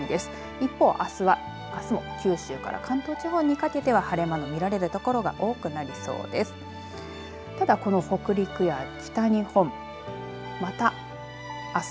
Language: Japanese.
一方、あすも九州から関東地方にかけては晴れ間の見られる所が多くなりそうです。